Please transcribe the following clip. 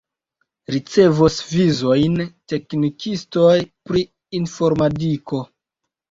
Ricevos vizojn teknikistoj pri informadiko.